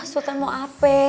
sultan mau apa